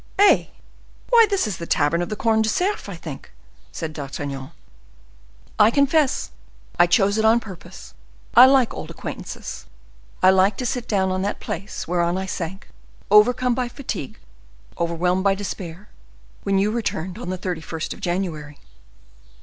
"Eh! why this is the tavern of the Corne du Cerf, I think," said D'Artagnan. "I confess I chose it on purpose. I like old acquaintances; I like to sit down on that place, whereon I sank, overcome by fatigue, overwhelmed by despair, when you returned on the 31st of January."